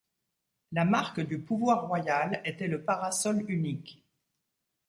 La marque du pouvoir royal était le parasol unique.